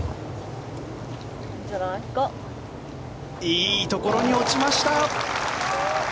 いいところに落ちました。